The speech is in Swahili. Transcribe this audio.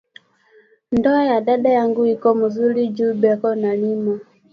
Ndoa ya dada yangu iko muzuri nju beko na rima